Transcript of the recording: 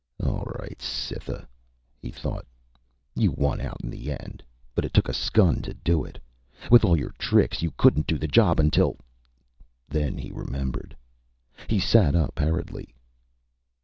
All right, Cytha, he thought, you won out in the end. But it took a skun to do it. With all your tricks, you couldn't do the job until.... Then he remembered. He sat up hurriedly.